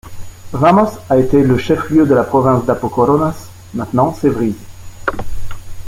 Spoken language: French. Vámos a été le chef-lieu de province de l'Apokóronas, maintenant c'est Vryses.